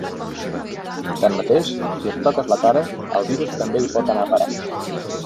Tanmateix, si et toques la cara, el virus també hi pot anar a parar.